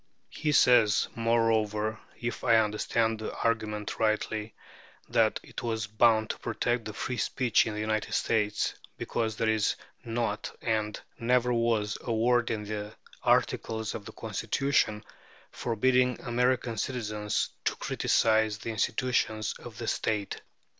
He says, moreover, if I understand the argument rightly, that it was bound to protect free speech in the States because "there is not and never was a word in the Articles of the Constitution forbidding American citizens to criticize the institutions of the State."